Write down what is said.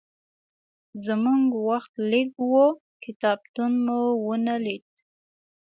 زموږ وخت لږ و، کتابتون مو ونه لید.